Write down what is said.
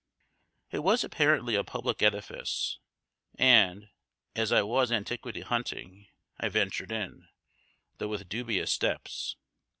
It was apparently a public edifice, and, as I was antiquity hunting, I ventured in, though with dubious steps.